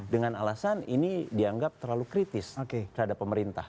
dengan alasan ini dianggap terlalu kritis terhadap pemerintah